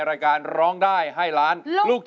รายการต่อไปนี้เป็นรายการทั่วไปสามารถรับชมได้ทุกวัย